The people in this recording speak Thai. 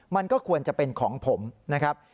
มันก็ควรจะเป็นของผมนะครับ